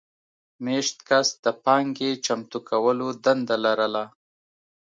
مېشت کس د پانګې چمتو کولو دنده لرله.